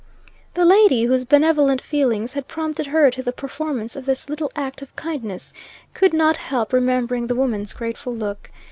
The lady whose benevolent feelings had prompted her to the performance of this little act of kindness, could not help remembering the woman's grateful look.